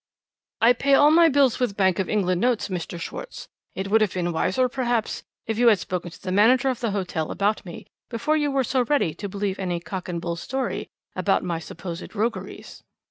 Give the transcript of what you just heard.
"'I pay all my bills with Bank of England notes, Mr. Schwarz. It would have been wiser, perhaps, if you had spoken to the manager of the hotel about me before you were so ready to believe any cock and bull story about my supposed rogueries.'